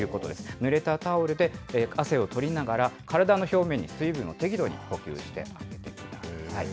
ぬれたタオルで、汗を取りながら、体の表面に水分を適度に補給してください。